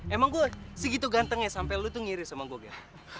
emang gue segitu ganteng ya sampai lo tuh ngiris sama gue gir